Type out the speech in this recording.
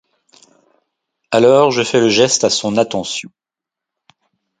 Alors je fais le geste à son attention.